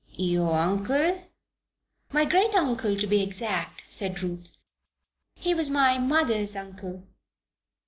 "Your uncle?" "My great uncle, to be exact," said Ruth. "He was mother's uncle."